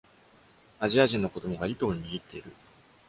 アジア人の子どもが糸を握っている。